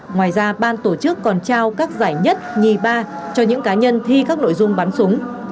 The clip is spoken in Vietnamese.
ngoài ra ban tổ chức còn trao các giải nhất nhì ba cho những cá nhân thi các nội dung bắn súng